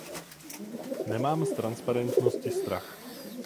Nemám z transparentnosti strach.